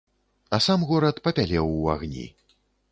А сам горад папялеў у агні.